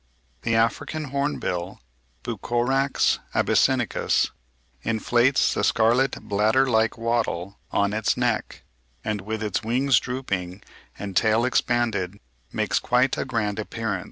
The African hornbill (Bucorax abyssinicus) inflates the scarlet bladder like wattle on its neck, and with its wings drooping and tail expanded "makes quite a grand appearance."